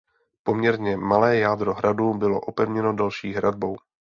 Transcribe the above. Poměrně malé jádro hradu bylo opevněno další hradbou.